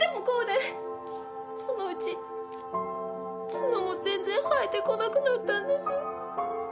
そのうち角も全然生えてこなくなったんです。